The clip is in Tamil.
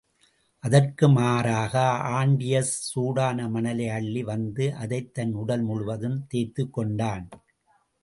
அதற்கு மாறாக ஆன்டியஸ், சூடான மணலை அள்ளி வந்து அதைத் தன் உடல் முழுதும் தேய்த்துக்கொண்டன்.